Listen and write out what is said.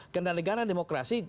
karena negara demokrasi